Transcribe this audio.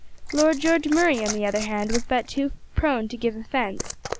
Lord George Murray, on the other hand, was but too prone to give offence.